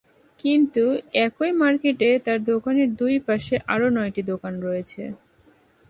কিন্তু একই মার্কেটে তাঁর দোকানের দুই পাশে আরও নয়টি দোকান রয়েছে।